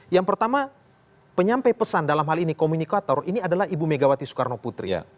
yang pertama penyampai pesan dalam hal ini komunikator ini adalah ibu megawati soekarno putri